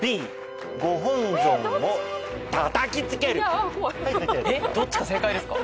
うわっきた。えっどっちか正解ですか？